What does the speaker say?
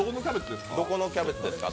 どこのキャベツですか？